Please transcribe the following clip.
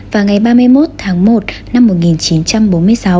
vào ngày ba mươi một tháng một năm một nghìn chín trăm bốn mươi sáu